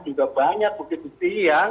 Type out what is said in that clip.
juga banyak bukti bukti yang